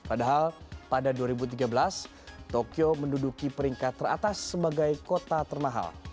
padahal pada dua ribu tiga belas tokyo menduduki peringkat teratas sebagai kota termahal